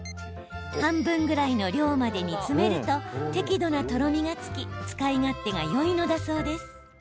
半分くらいの量まで煮詰めると適度なとろみがつき使い勝手がいいんだそうです。